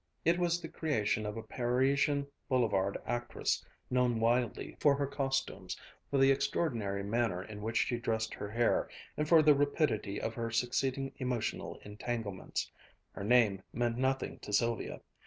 It was the creation of a Parisian boulevard actress, known widely for her costumes, for the extraordinary manner in which she dressed her hair, and for the rapidity of her succeeding emotional entanglements. Her name meant nothing to Sylvia.